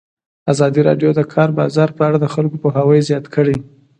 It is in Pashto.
ازادي راډیو د د کار بازار په اړه د خلکو پوهاوی زیات کړی.